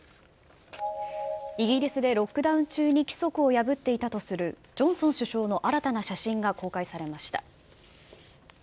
イギリスでロックダウン中に規則を破っていたとするジョンソン首相の新たな写真が公開されました。